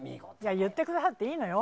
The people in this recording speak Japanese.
言ってくださっていいのよ。